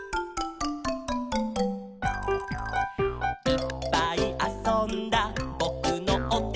「いっぱいあそんだぼくのおてて」